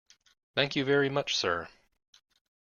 Thank you very much, sir.